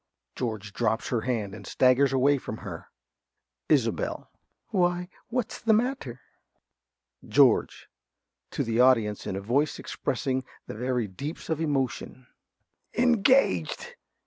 (George drops her hand and staggers away from her.) ~Isobel.~ Why, what's the matter? ~George~ (to the audience, in a voice expressing the very deeps of emotion). Engaged!